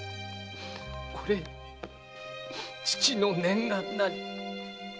「これ父の念願なり。